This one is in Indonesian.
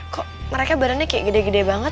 kok mereka barangnya kayak gede gede banget